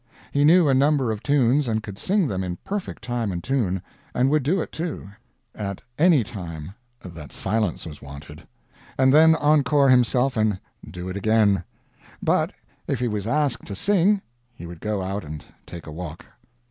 He knew a number of tunes and could sing them in perfect time and tune; and would do it, too, at any time that silence was wanted; and then encore himself and do it again; but if he was asked to sing he would go out and take a walk.